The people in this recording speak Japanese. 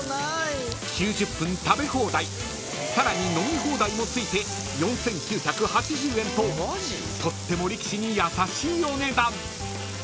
［９０分食べ放題さらに飲み放題も付いて４，９８０円ととっても力士に優しいお値段］